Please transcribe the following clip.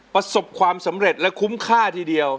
ประสบความสำเร็จและคุ้มค่าทีเดียว